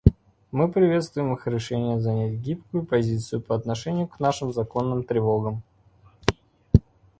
Мы приветствуем их решение занять гибкую позицию по отношению к нашим законным тревогам.